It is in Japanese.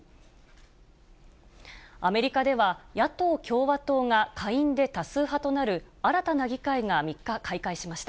アメリカでは、野党・共和党が下院で多数派となる、新たな議会が３日、開会しました。